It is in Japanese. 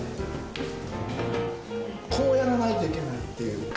こうやらないといけないっていう。